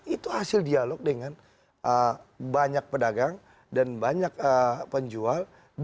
itu hasil dialog dengan banyak pedagang dan banyak penjual